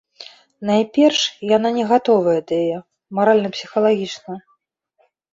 Найперш, яна не гатовая да яе маральна-псіхалагічна.